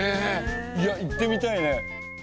いや行ってみたいね。